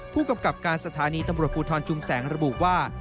ผู้กำกับการสถานีตำรวจภูทรชุมแสงระบุว่า